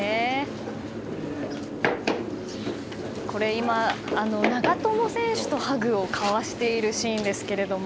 今、長友選手とハグを交わしているシーンですけれども。